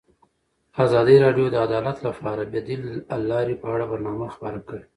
ازادي راډیو د عدالت لپاره د بدیل حل لارې په اړه برنامه خپاره کړې.